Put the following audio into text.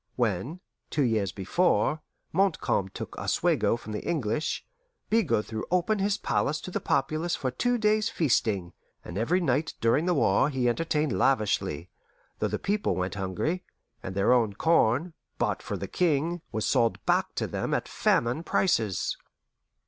When, two years before, Montcalm took Oswego from the English, Bigot threw open his palace to the populace for two days' feasting, and every night during the war he entertained lavishly, though the people went hungry, and their own corn, bought for the King, was sold back to them at famine prices.